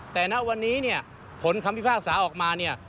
แต่ณวันนี้เนี่ยผลคำพิพากษาออกมาเนี่ย